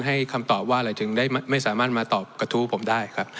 คำตอบว่าอะไรถึงได้ไม่สามารถมาตอบกระทู้ผมได้ครับ